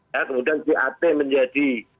ya kemudian jat menjadi